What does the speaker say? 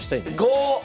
５！